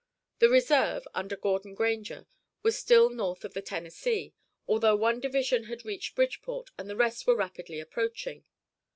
The reserve, under Gordon Granger, was still north of the Tennessee, although one division had reached Bridgeport and the rest were rapidly approaching.